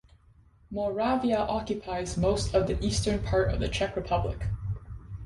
Moravia occupies most of the eastern part of the Czech Republic.